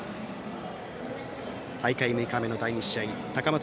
大会６日目の第２試合高松